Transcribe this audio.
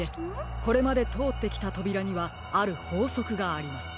これまでとおってきたとびらにはあるほうそくがあります。